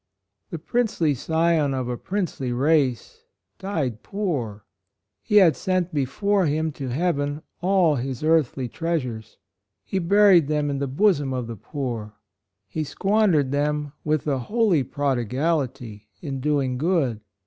The prince ly scion of a princely race died poor. He had sent before him to heaven all his earthly treasures. He buried them in the bosom of the poor. He squandered them with a holy prodi gality in doing good.